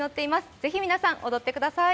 ぜひ皆さん、踊ってください。